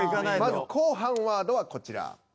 まず後半ワードはこちら。